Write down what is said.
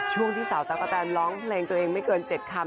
ช่วงที่สาวตะกะแตนร้องเพลงตัวเองไม่เกิน๗คำ